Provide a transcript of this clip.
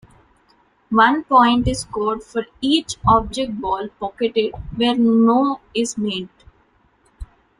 One point is scored for each object ball pocketed where no is made.